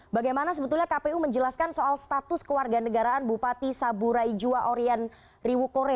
bagaimana sebetulnya kpu menjelaskan soal status keluarga negaraan bupati saburai jua orian riwukore